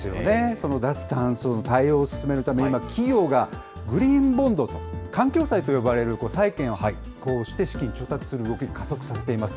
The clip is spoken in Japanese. その脱炭素の対応を進めるため、今、企業がグリーンボンド・環境債と呼ばれる債券を発行して、資金調達する動きを加速させています。